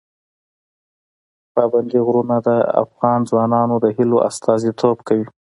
پابندي غرونه د افغان ځوانانو د هیلو استازیتوب کوي.